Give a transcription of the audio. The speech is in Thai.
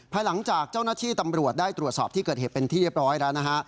หลังจากเจ้าหน้าที่ตำรวจได้ตรวจสอบที่เกิดเหตุเป็นที่เรียบร้อยแล้วนะฮะ